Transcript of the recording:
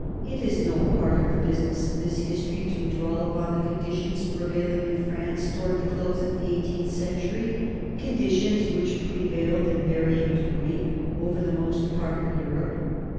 It is no part of the business of this history to dwell upon the conditions prevailing in France towards the close of the eighteenth century, conditions which prevailed in varying degree over the most part of Europe.